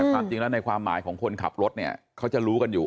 ความจริงแล้วในความหมายของคนขับรถเนี่ยเขาจะรู้กันอยู่